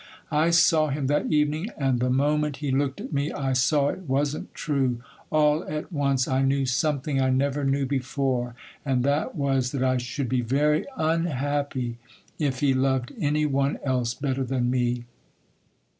I saw him that evening, and the moment he looked at me I saw it wasn't true; all at once I knew something I never knew before,—and that was, that I should be very unhappy, if he loved any one else better than me.